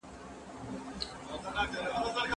کاروبار په استقامت سره پرمخ یوسئ.